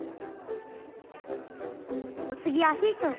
おつぎはヒーくん。